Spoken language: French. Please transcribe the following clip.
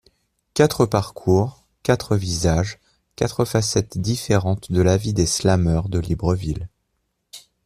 Quatre parcours, quatre visages, quatre facettes différentes de la vie des slameurs de Libreville.